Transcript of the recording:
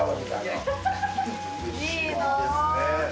いいな。